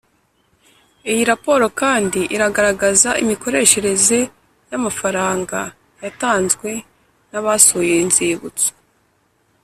Iyi raporo kandi iragaragaza imikoreshereze y’ amafaranga yatanzwe n’ abasuye inzibutso